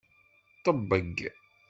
Ṭebbeg!